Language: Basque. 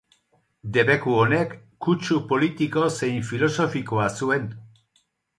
Debeku honek, kutsu politiko zein filosofikoa zuen.